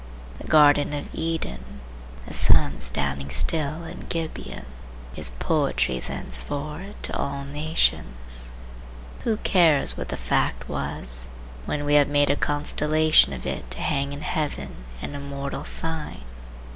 The Garden of Eden, the sun standing still in Gibeon, is poetry thenceforward to all nations. Who cares what the fact was, when we have made a constellation of it to hang in heaven an immortal sign?